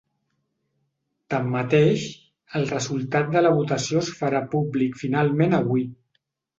Tanmateix, el resultat de la votació es farà públic finalment avui.